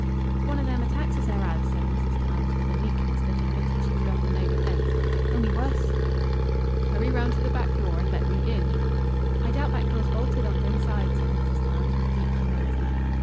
"One o' them attacks as her has," said Mrs. Tarns with a meekness that admitted she could offer no defence, "only wuss!" "Hurry round to th' back door and let me in." "I doubt back door's bolted on th' inside," said Mrs. Tarns with deep humility.